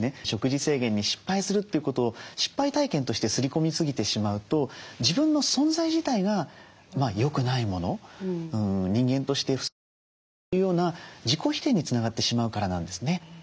食事制限に失敗するということを失敗体験としてすり込みすぎてしまうと自分の存在自体が良くないもの人間としてふさわしくないというような自己否定につながってしまうからなんですね。